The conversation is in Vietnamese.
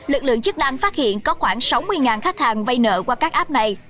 lực lượng chức năng phát hiện có khoảng sáu mươi khách hàng vay nợ qua các app này